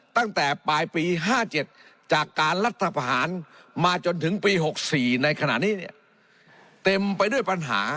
ตั้งแต่ปลายปี๕๗จากการรัฐประหารมาจนถึงปี๖๔ในขณะนี้เนี่ยเต็มไปด้วยปัญหา